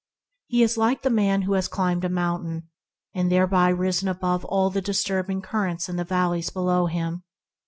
He is like a man who has climbed a mountain and thereby risen above all the disturbing currents in the valleys below him.